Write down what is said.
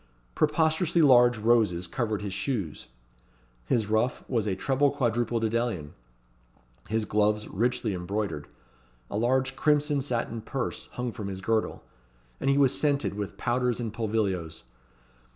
Preposterously large roses covered his shoes; his ruff was a "treble quadruple dedalion;" his gloves richly embroidered; a large crimson satin purse hung from his girdle; and he was scented with powders and pulvilios.